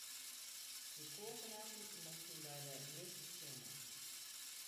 Dy koarknapen moasten by de mis sjonge.